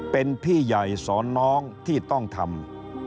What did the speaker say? เป็นพี่ใหญ่สอนน้องที่ต้องทำ